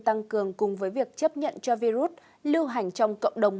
tăng cường cùng với việc chấp nhận cho virus lưu hành trong cộng đồng